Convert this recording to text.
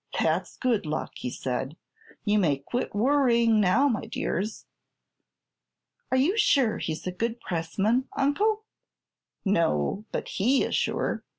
"That's good luck," he said. "You may quit worrying, now, my dears." "Are you sure he's a good pressman, Uncle?" "No; but he is sure.